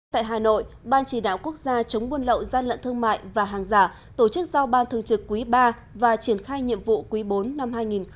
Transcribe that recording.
tại hà nội ban chỉ đạo quốc gia chống buôn lậu gian lận thương mại và hàng giả tổ chức giao ban thường trực quý iii và triển khai nhiệm vụ quý iv năm hai nghìn một mươi chín